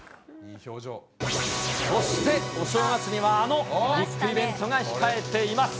そしてお正月にはあのビッグイベントが控えています。